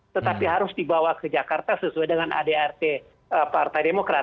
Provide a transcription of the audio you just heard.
tetapi harus dibawa ke jakarta sesuai dengan adrt partai demokrat